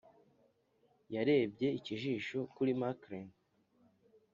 yarebye ikijisho kuri marcline,